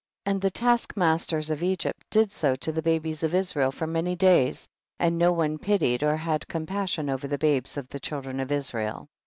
19. And the task masters of Egypt did so to the babes of Israel for many days, and no one pitied or had com passion over the babes of the children of Israel.